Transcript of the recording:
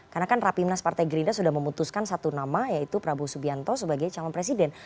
karena kan rapimnas partai gerindra sudah memutuskan satu nama yaitu prabowo subianto sebagai calon presiden